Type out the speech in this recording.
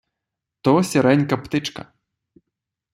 То сіренька птичка.